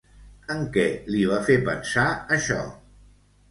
En què li va fer pensar això?